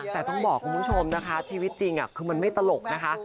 แต่ต้องบอกคุณผู้ชมนะคะชีวิตจริงคือมันไม่ตลกนะคะ